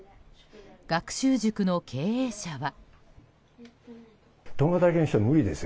学習塾の経営者は。